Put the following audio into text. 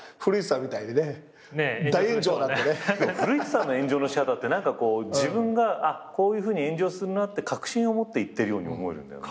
でも古市さんの炎上の仕方って自分がこういうふうに炎上するなって確信を持って言ってるように思えるんだよね。